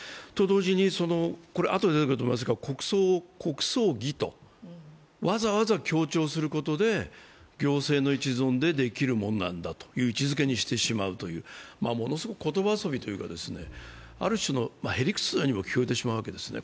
そして、あとでも出てきますが国葬儀とわざわざ強調することで、行政の一存でできるもんなんだという位置づけにしてしまうというものすごく言葉遊びというか、ある種のへ理屈にも聞こえてしまうわけですね。